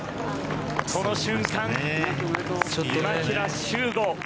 この瞬間、今平周吾